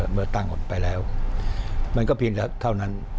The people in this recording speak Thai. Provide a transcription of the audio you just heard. เมื่อตั้งออกไปแล้วมันก็เพียงเท่านั้น